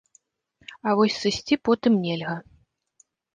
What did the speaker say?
А вось сысці потым нельга.